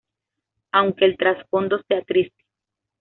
Aunque el trasfondo sea triste.